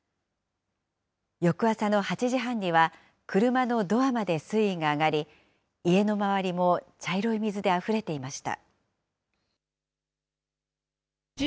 翌朝の８時半には、車のドアまで水位が上がり、家の周りも茶色い水であふれていました。